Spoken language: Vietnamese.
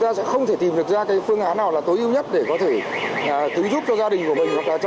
ta sẽ không thể tìm được ra cái phương án nào là tối ưu nhất để có thể cứu giúp cho gia đình của mình